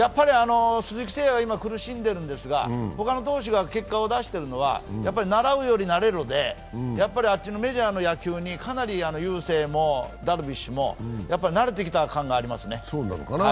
鈴木誠也は今、苦しんでいるんですが、ほかの投手が結果を出しているのは習うより慣れろでメジャーの野球にかなり、雄星もダルビッシュも慣れてきた感じがありますね。